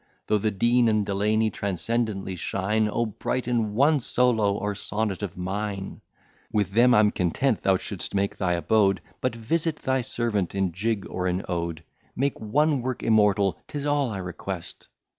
Though the Dean and Delany transcendently shine, O brighten one solo or sonnet of mine! With them I'm content thou shouldst make thy abode; But visit thy servant in jig or in ode; Make one work immortal: 'tis all I request."